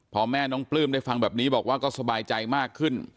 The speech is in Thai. พอแม่น้องปลื้มได้ฟังแบบนี้บอกว่าก็สบายใจมากขึ้น